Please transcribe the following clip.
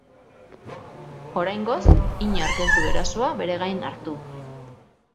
Oraingoz inork ez du erasoa bere gain hartu.